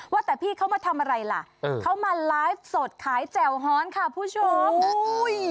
ว่าแต่พี่เขามาทำอะไรล่ะเออเขามาไลฟ์สดขายแจ่วฮ้อนค่ะคุณผู้ชมอุ้ย